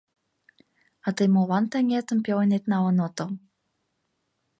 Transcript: — А тый молан таҥетым пеленет налын отыл?